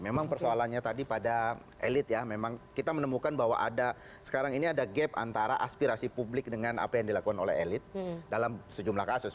memang persoalannya tadi pada elit ya memang kita menemukan bahwa ada sekarang ini ada gap antara aspirasi publik dengan apa yang dilakukan oleh elit dalam sejumlah kasus